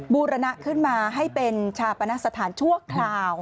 บูรณะขึ้นมาให้เป็นชาปนสถานชั่วคราว